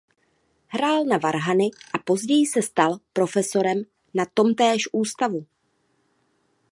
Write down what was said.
Hrál na varhany a později se stal profesorem na tomtéž ústavu.